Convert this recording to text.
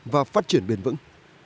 và phát triển bền vững